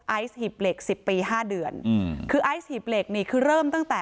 ไอซ์หีบเหล็กสิบปีห้าเดือนอืมคือไอซ์หีบเหล็กนี่คือเริ่มตั้งแต่